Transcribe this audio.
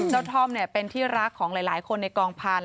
เจ้าท่อมเนี่ยเป็นที่รักของหลายคนในกองพันธุ์